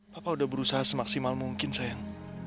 papa udah berusaha semaksimal mungkin sayang